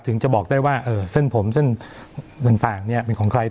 ถึงจะบอกได้ว่าเออเส้นผมเส้นฝั่งต่างเนี่ยเป็นของใคร